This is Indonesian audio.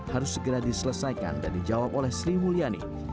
harus segera diselesaikan dan dijawab oleh sri mulyani